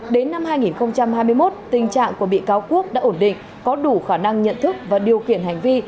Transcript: đến năm hai nghìn hai mươi một tình trạng của bị cáo quốc đã ổn định có đủ khả năng nhận thức và điều khiển hành vi